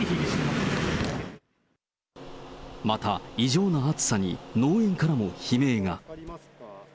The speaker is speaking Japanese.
また、異常な暑さに、農園からも悲鳴が。